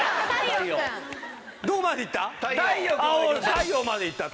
太陽までいった。